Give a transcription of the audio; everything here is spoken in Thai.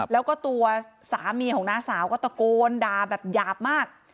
แล้วก็ตัวสามีของน้าสาวก็ตะโกนด่าแบบหยาบมาก